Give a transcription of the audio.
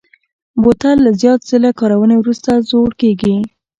بوتل له زیات ځله کارونې وروسته زوړ کېږي.